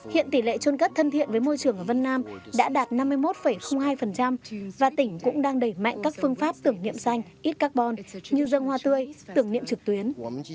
hiện tỷ lệ trôn cất thân thiện với môi trường ở vân nam đã đạt năm mươi một hai và tỉnh cũng đang đẩy mạnh các phương pháp tưởng niệm xanh ít carbon như dân hoa tươi tưởng niệm trực tuyến